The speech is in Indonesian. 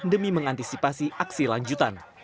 demi mengantisipasi aksi lanjutan